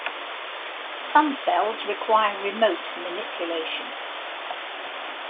Some cells require remote manipulation.